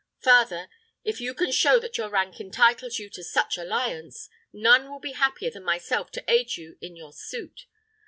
Farther, if you can show that your rank entitles you to such alliance, none will be happier than myself to aid you in your suit.